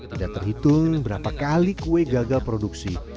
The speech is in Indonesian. tidak terhitung berapa kali kue gagal produksi